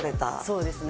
そうですね。